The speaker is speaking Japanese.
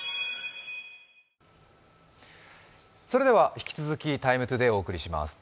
引き続き、「ＴＩＭＥ，ＴＯＤＡＹ」をお送りします。